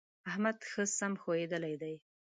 احمد ښه سم ښويېدلی دی.